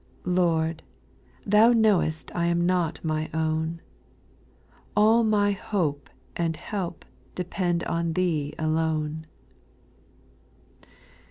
Lord, Thou know est I am not my own, All my hope and help depend on Thee alone.